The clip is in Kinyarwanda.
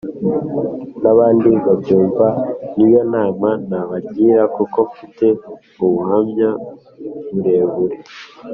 Nabandi banyumva niyo nama nabagira kuko mfite ubuhamya burebure